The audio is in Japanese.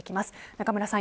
中村さん